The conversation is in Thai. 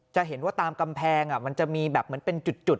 จะเห็นว่าตามกำแพงมันจะมีแบบเหมือนเป็นจุด